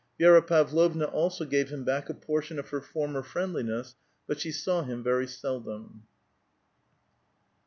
Vi6ra Pavlovna also gave him back a portion of her former friendliness ; but she saw him very seldom.